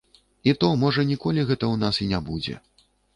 І то можа ніколі гэта ў нас і не будзе.